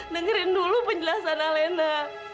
dengerin dulu penjelasan alena